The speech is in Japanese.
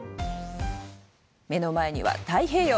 目の前には太平洋！